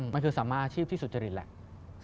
มันคือสามารถอาชีพที่สุจริตแหละ